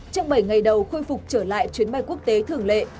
trong bảy ngày đầu khôi phục trở lại chuyến bay quốc tế thường lệ